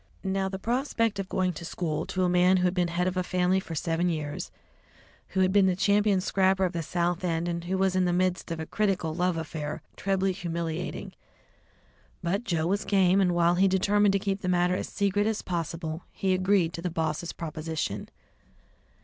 Now, the prospect of going to school to a man who had been head of a family for seven years, who had been the champion scrapper of the South End, who was in the midst of a critical love affair, was trebly humiliating. But Joe was game, and while he determined to keep the matter as secret as possible, he agreed to the boss's proposition.